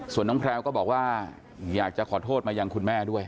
ส่วนน้องแพลวก็บอกว่าอยากจะขอโทษมายังคุณแม่ด้วย